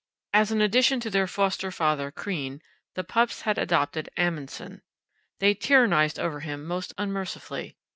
As an addition to their foster father, Crean, the pups had adopted Amundsen. They tyrannized over him most unmercifully.